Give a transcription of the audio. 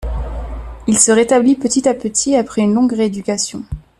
Il se rétablit petit à petit après une longue rééducation.